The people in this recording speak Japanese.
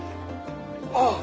ああ！